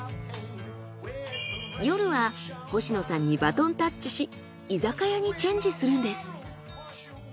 夜は星野さんにバトンタッチし居酒屋にチェンジするんです。